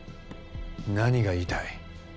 何が言いたい？